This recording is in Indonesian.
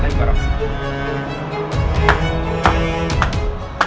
baik pak ramah